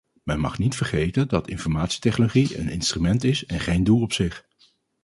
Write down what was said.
Men mag niet vergeten dat informatietechnologie een instrument is en geen doel op zich.